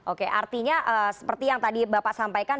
oke artinya seperti yang tadi bapak sampaikan